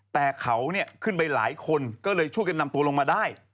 แต่เขาขึ้นไปหลายคนก็เลยช่วยกันนำตัวลงมาได้